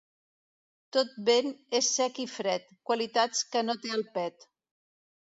Tot vent és sec i fred, qualitats que no té el pet.